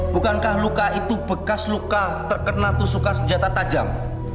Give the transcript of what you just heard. bukankah luka itu bekas luka terkena tusukan senjata tajam